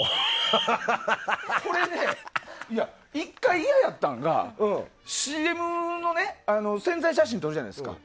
これね、１回嫌やったんがＣＭの宣材写真を撮るじゃないですか。